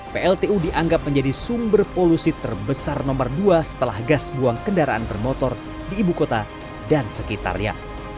pltu dianggap menjadi sumber polusi terbesar nomor dua setelah gas buang kendaraan bermotor di ibu kota dan sekitarnya